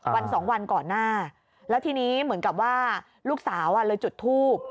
วันสองวันก่อนหน้าแล้วทีนี้เหมือนกับว่าลูกสาวเลยจุดทูบ